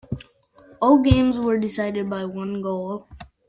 All games were decided by one goal.